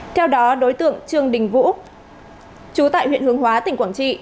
theo đó đối tượng trương đình vũ chú tại huyện hướng hóa tỉnh quảng trị